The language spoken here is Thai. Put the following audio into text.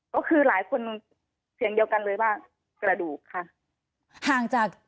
ก็คือหลายคนเสียงเดียวกันเลยว่ากระดูกค่ะห่างจาก